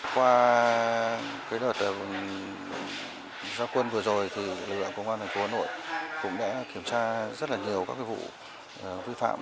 qua đợt gia quân vừa rồi thì lựa quân quân thành phố hà nội cũng đã kiểm tra rất nhiều các vụ vi phạm